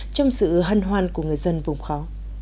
trong sự hân hoan của người dân vùng khó